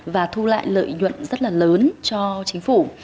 và thu lại lợi nhuận rất là lớn cho chính phủ